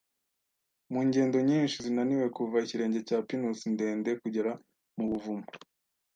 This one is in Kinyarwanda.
mu ngendo nyinshi zinaniwe, kuva ikirenge cya pinusi ndende kugera mu buvumo